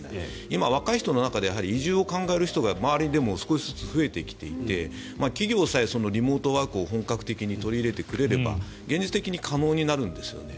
今、若い人の中で移住を考える人も周りで少しずつ増えてきていて企業さえリモートワークを本格的に取り入れてくれれば現実的に可能になるんですね。